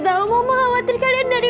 mama gak khawatir kalian dari mana sih